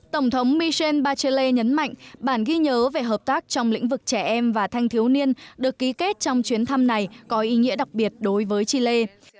tổng thống michel bache nhấn mạnh bản ghi nhớ về hợp tác trong lĩnh vực trẻ em và thanh thiếu niên được ký kết trong chuyến thăm này có ý nghĩa đặc biệt đối với chile